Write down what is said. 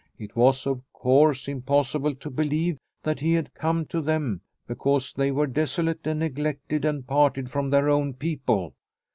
It was, of course, im possible to believe that he had come to them because they were desolate and neglected and parted from their own people.